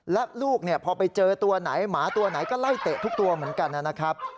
และลูกพอไปเจอตัวไหนหมาตัวไหนก็ไล่เตะทุกตัวเหมือนกันนะครับ